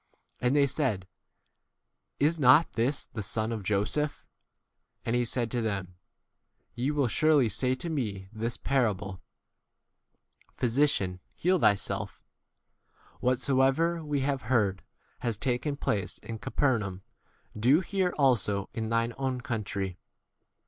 And they said, Is 23 not this the son of Joseph ? And he said to them, Te will surely say to me this parable, Physician, heal thyself ; whatsoever we have heard has taken place in Caper naum do here also in thine own 24 country.